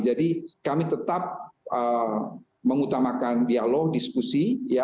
jadi kami tetap mengutamakan dialog diskusi